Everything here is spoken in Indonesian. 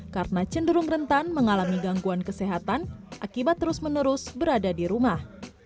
karena cenderung rentan mengalami gangguan kesehatan akibat terus menerus berada di rumah